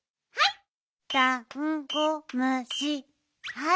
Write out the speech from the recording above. はい！